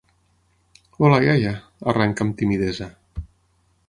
Hola, iaia —arrenca, amb timidesa—.